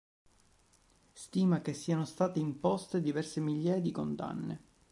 Stima che siano state imposte diverse migliaia di condanne.